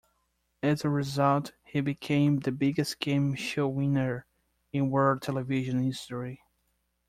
As a result, he became the biggest game show winner in world television history.